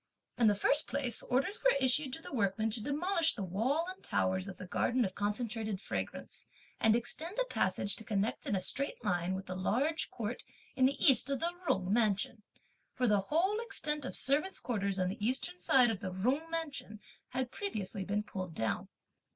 In the first place, orders were issued to the workmen to demolish the wall and towers of the garden of Concentrated Fragrance, and extend a passage to connect in a straight line with the large court in the East of the Jung mansion; for the whole extent of servants' quarters on the Eastern side of the Jung mansion had previously been pulled down.